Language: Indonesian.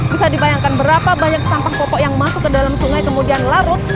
bisa dibayangkan berapa banyak sampah popok yang masuk ke dalam sungai kemudian larut